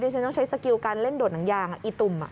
ฉันต้องใช้สกิลการเล่นโดดหนังยางอีตุ่ม